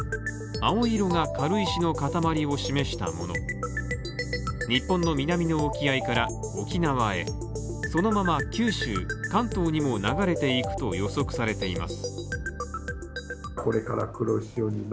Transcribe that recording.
青色が軽石の塊を示したもので、日本の南の沖合から沖縄へそのまま九州、関東にも流れていくと予測されています。